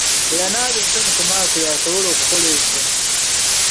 Eyanaaba ensonyi ku maaso y'asobola okukola ekyo.